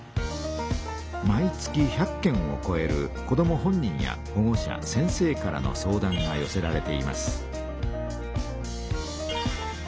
毎月１００件をこえる子ども本人やほご者先生からの相談がよせられています。